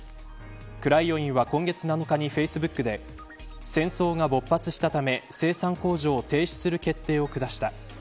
クライオインは、今月７日にフェイスブックで戦争が勃発したため生産工場を停止する決定を下した。